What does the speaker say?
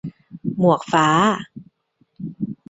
- หมวกฟ้า